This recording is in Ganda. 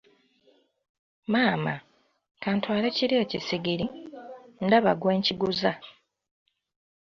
Maama, ka ntwale kiri ekisigiri , ndaba ggwe nkiguza.